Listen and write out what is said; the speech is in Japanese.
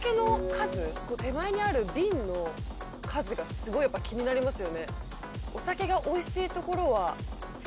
手前にある瓶の数がすごい気になりますよね。